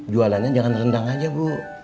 jualannya jangan rendang aja bu